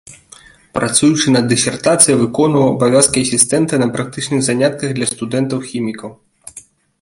Працуючы над дысертацыяй, выконваў абавязкі асістэнта на практычных занятках для студэнтаў хімікаў.